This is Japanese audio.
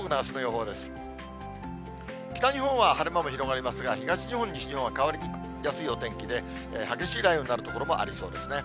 北日本は晴れ間も広がりますが、東日本、西日本は変わりやすいお天気で、激しい雷雨になる所もありそうですね。